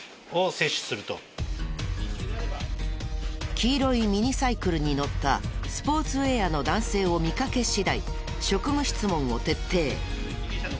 黄色いミニサイクルに乗ったスポーツウェアの男性を見かけ次第職務質問を徹底。